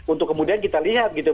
untuk kemudian kita lihat gitu